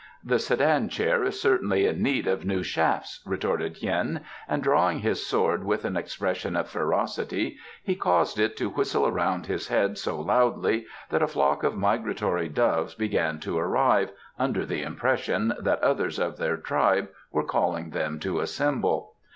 "The sedan chair is certainly in need of new shafts," retorted Hien, and drawing his sword with an expression of ferocity he caused it to whistle around his head so loudly that a flock of migratory doves began to arrive, under the impression that others of their tribe were calling them to assemble.